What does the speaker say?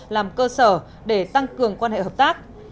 làm cơ sở để tăng cường quan hệ hợp tác